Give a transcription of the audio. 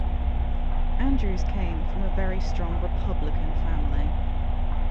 Andrews came from a very strong republican family.